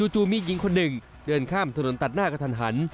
จู่มีหญิงคนหนึ่งเดินข้ามถนนตัดหน้ากระทันหัน